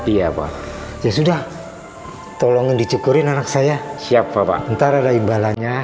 iya pak ya sudah tolong dicukurin anak saya siap pak entar ada ibadahnya